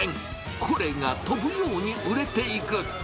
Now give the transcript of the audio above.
これが飛ぶように売れていく。